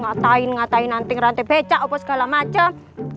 ngatain ngatain nanti rantai beca apa segala macem